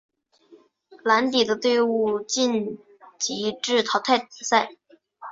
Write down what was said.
蓝底的队伍晋级至淘汰赛。